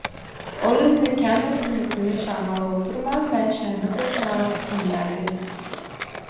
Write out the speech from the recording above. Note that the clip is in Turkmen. Ol indi känbir siňňitli nyşana alyp oturman mäşäni gysgysmaga gyssanýardy.